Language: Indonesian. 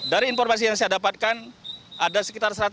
dari informasi yang saya dapatkan ada sekitar seratus orang